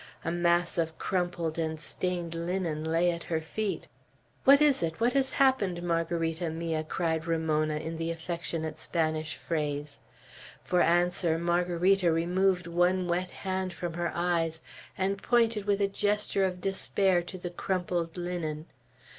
A mass of crumpled and stained linen lay at her feet. "What is it? What has happened, Margarita mia?" cried Ramona, in the affectionate Spanish phrase. For answer, Margarita removed one wet hand from her eyes, and pointed with a gesture of despair to the crumpled linen.